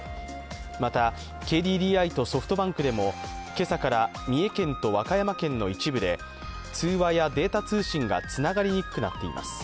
また、ＫＤＤＩとソフトバンクでも今朝から三重県と和歌山県の一部で通話やデータ通信がつながりにくくなっています。